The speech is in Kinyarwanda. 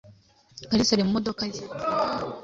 Kalisa ari mu modoka ye.